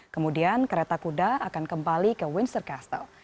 kemudian kereta kuda akan kembali ke windsor castle